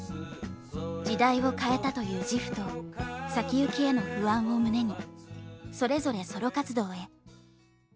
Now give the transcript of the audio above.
時代を変えたという自負と先行きへの不安を胸にそれぞれソロ活動へ。